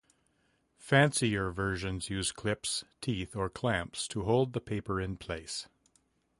Fancier versions use clips, teeth or clamps to hold the paper in place.